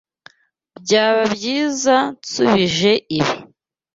Byaba byiza nsubije ibi.